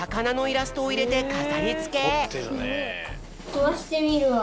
とばしてみるわ。